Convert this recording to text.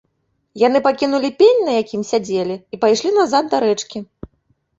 Яны пакінулі пень, на якім сядзелі, і пайшлі назад да рэчкі.